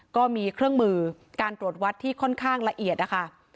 ก็มีเครื่องมือการตรวจวัดที่ค่อนข้างละเอียดนะคะ